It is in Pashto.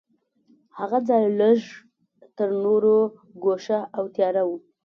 هغه ځای لږ تر نورو ګوښه او تیاره و.